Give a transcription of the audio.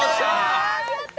やった！